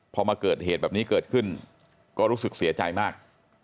พอมาเกิดเหตุแบบนี้เกิดขึ้นก็รู้สึกเสียใจมาก